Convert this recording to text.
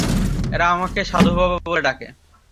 এরা আমাকে সাধুবাবা বলে ডাকে।